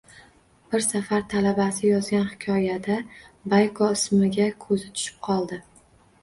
Bir safar talabasi yozgan hikoyada Bayko ismiga ko`zi tushib qoldi